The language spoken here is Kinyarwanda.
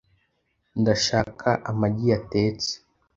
Ndashaka amagi yatetse .